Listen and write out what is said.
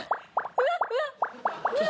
うわっうわっ！